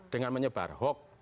dengan menyebar huk